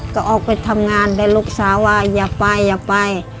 ก็ออกไปทำงานได้ลูกสาวว่าอย่าไปอย่าไป